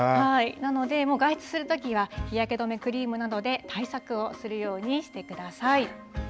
なので、外出するときは、日焼け止めクリームなどで対策をするようにしてください。